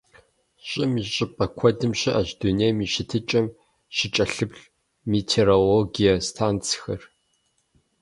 ЩӀым и щӀыпӀэ куэдым щыӀэщ дунейм и щытыкӀэм щыкӀэлъыплъ метеорологие станцхэр.